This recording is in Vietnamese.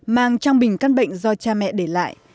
mang trong bình căn bệnh do cha mẹ để lại